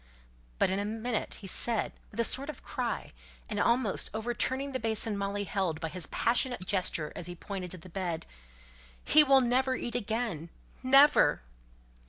But in a minute he said, with a sort of cry, and almost overturning the basin Molly held, by his passionate gesture as he pointed to the bed, "He will never eat again never."